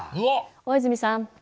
大泉さん